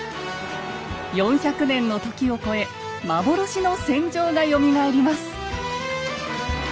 ４００年の時を超え幻の戦場がよみがえります